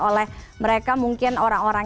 oleh mereka mungkin orang orang